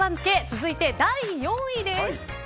続いて第４位です。